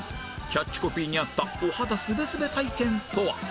キャッチコピーにあったお肌すべすべ体験とは？